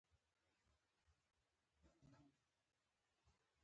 د افغانستان غرونه د تاریخ په اوږدو کي د جنګونو شاهدان پاته سوي.